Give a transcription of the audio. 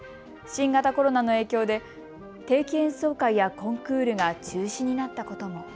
新型コロナの影響で定期演奏会やコンクールが中止になったことも。